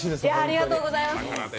ありがとうございます。